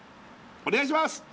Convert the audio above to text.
お願いします！